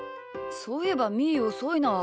そういえばみーおそいな。